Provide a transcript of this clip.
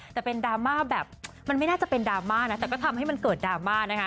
แต่เป็นดราม่าแบบมันไม่น่าจะเป็นดราม่านะแต่ก็ทำให้มันเกิดดราม่านะคะ